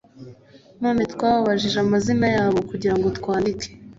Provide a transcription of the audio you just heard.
Nanone twababajije amazina yabo kugira ngo twandike